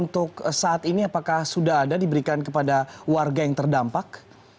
untuk saat ini apakah sudah ada diberikan kepada warga yang terdampak